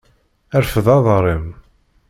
Rfed aḍar-im.